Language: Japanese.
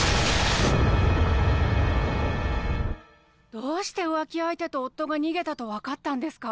どうして浮気相手と夫が逃げたと分かったんですか？